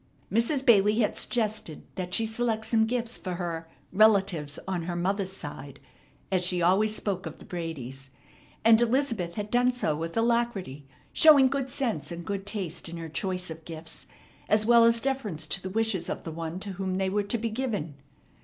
Mrs. Bailey had suggested that she select some gifts for her "relatives on her mother's side," as she always spoke of the Bradys; and Elizabeth had done so with alacrity, showing good sense and good taste in her choice of gifts, as well as deference to the wishes of the one to whom they were to be given.